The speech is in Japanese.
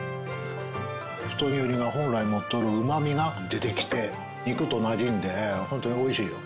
太きゅうりが本来持っとるうまみが出てきて肉となじんで本当に美味しいよ。